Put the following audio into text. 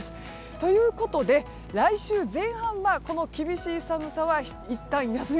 ということで来週前半は、この厳しい寒さはいったん休み。